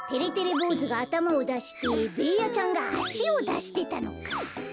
ぼうずがあたまをだしてべーヤちゃんがあしをだしてたのか。